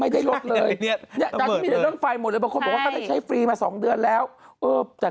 ตอนแรกใช่มั้ย